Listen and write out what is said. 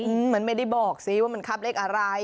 เหมือนไม่ได้บอกสิว่ามันคาบเลขอะไร